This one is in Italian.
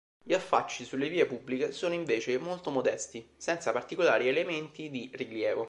Gli affacci sulle vie pubbliche sono invece molto modesti, senza particolari elementi di rilievo.